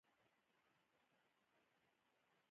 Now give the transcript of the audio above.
بکسونه درانه وو.